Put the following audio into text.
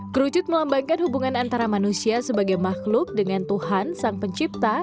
kerucut melambangkan hubungan antara manusia sebagai makhluk dengan tuhan sang pencipta